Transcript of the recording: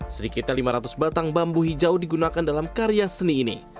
sedikitnya lima ratus batang bambu hijau digunakan dalam karya seni ini